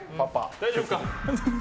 大丈夫か？